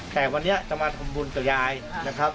แต่วันนี้จะมาทำบุญกับยายนะครับ